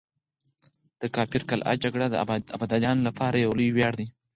د کافر قلعه جګړه د ابدالیانو لپاره يو لوی وياړ دی.